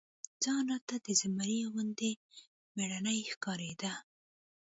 ځان راته د زمري غوندي مېړنى ښکارېده.